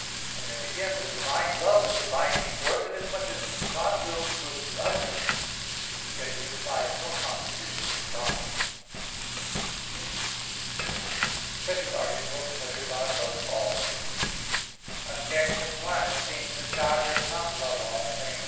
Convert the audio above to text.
And then again the divine love is a binding force, inasmuch as God wills good to others; yet it implies no composition in God. _______________________ SECOND ARTICLE [I, Q. 20, Art. 2] Whether God Loves All Things? Objection 1: It seems that God does not love all things.